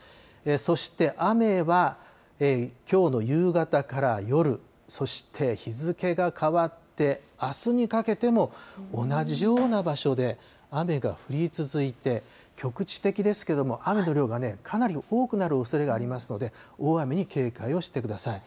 そして雨は、きょうの夕方から夜、そして日付が変わってあすにかけても同じような場所で雨が降り続いて、局地的ですけども雨の量がかなり多くなるおそれがありますので、大雨に警戒をしてください。